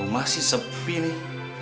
rumah sih sepi nih